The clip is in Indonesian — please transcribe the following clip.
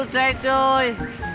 udah makan belum